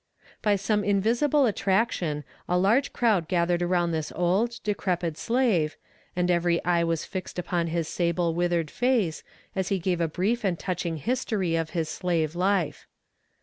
By some invisible attraction, a large crowd gathered around this old, decrepid slave, and every eye was fixed upon his sable withered face, as he gave a brief and touching history of his slave life.